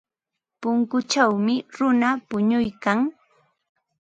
Punkuchawmi runa punuykan.